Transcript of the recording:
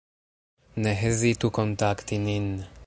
Ne hezitu kontakti nin.